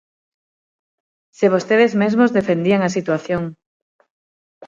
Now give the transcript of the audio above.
Se vostedes mesmos defendían a situación.